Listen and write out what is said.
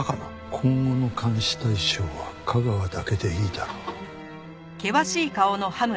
今後の監視対象は架川だけでいいだろう。